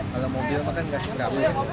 kalau mobil maka nggak segera